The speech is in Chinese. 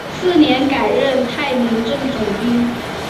次年改任泰宁镇总兵。